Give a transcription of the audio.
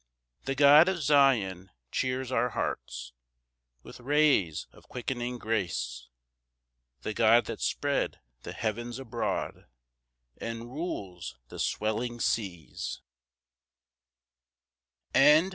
3 The God of Zion cheers our hearts With rays of quickening grace; The God that spread the heavens abroad, And rules the swelling seas.